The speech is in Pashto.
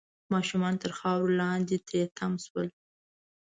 ماشومان تر خاورو لاندې تري تم شول